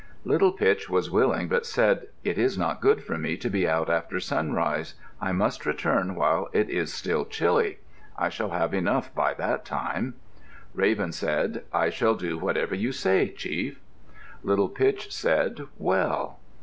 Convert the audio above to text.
Little Pitch was willing, but said, "It is not good for me to be out after sunrise. I must return while it is still chilly. I shall have enough by that time." Raven said, "I shall do whatever you say, Chief." Little Pitch said, "Well!"